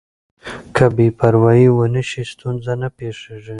که بې پروايي ونه شي ستونزه نه پېښېږي.